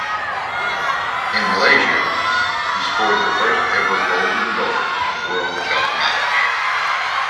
In Malaysia he scored the first ever Golden Goal in a World Cup match.